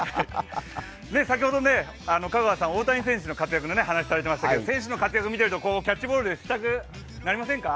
先ほど香川さん、大谷選手の活躍の話をされていましたけど、活躍を見ているとキャッチボールしたくなりませんか？